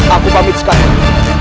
aku pamit sekarang